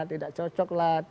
tidak cocok lah